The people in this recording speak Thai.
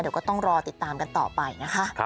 เดี๋ยวก็ต้องรอติดตามกันต่อไปนะคะ